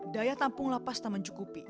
daya tampung lapas tak mencukupi